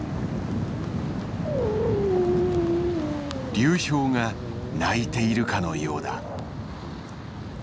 流氷が鳴いているかのようだ。